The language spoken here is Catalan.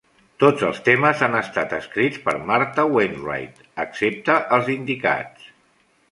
Tots els temes han estat escrits per Martha Wainwright, excepte els indicats.